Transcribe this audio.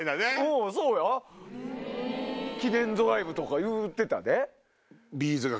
記念ドライブとか言うてたで。